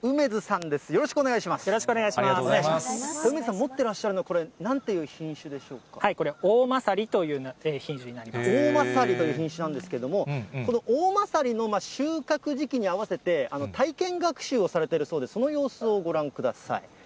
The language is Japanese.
梅津さんが持ってらっしゃる、これ、おおまさりという品種おおまさりという品種なんですけれども、このおおまさりの収穫時期に合わせて、体験学習をされているそうで、その様子をご覧ください。